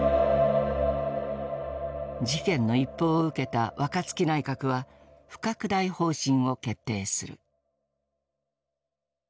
事件の一報を受けた若槻内閣は不拡大方針を決定する。